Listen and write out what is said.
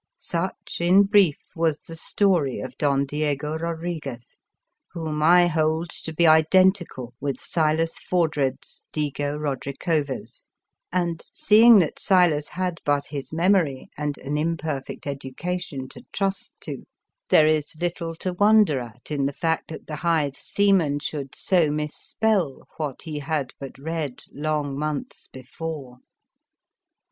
Such in brief was the story of Don Diego Rodriguez, whom I hold to be identical with Silas Fordred's " DIGO RODRICOVEZ," and, seeing that Silas had but his memory and an imperfect education to trust to, there is little to 141 Appendix wonder at in the fact that the Hythe seaman should so misspell what he had but read long months before.